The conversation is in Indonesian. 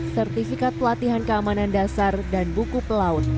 sertifikat pelatihan keamanan dasar dan buku pelaut